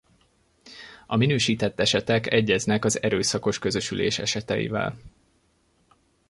A minősített esetek egyeznek az erőszakos közösülés eseteivel.